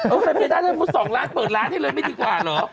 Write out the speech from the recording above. โอ๊ยเวตเมียด้านหน้าประกอบ๒ล้านเปิดล้านให้เลยไม่ดีกว่าเหรอ